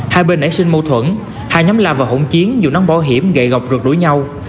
hai bên đã sinh mâu thuẫn hai nhóm làm vào hỗn chiến dù nóng bó hiểm gậy gọc rượt đuổi nhau